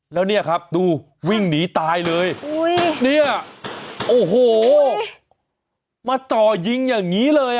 แล้วเนี่ยครับดูวิ่งหนีตายเลยเนี่ยโอ้โหมาจ่อยิงอย่างนี้เลย